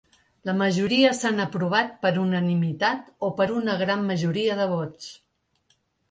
La majoria s’han aprovat per unanimitat o per una gran majoria de vots.